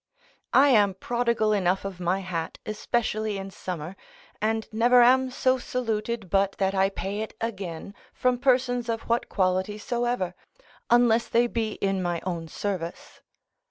I am prodigal enough of my hat, especially in summer, and never am so saluted but that I pay it again from persons of what quality soever, unless they be in my own service.